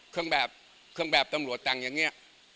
เครื่องแบบตำรวจแต่งอย่างเงี้ย